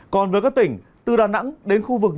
còn với các tỉnh từ đà nẵng đến khu vực